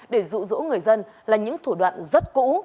để rụ rũ người dân là những thủ đoạn rất cũ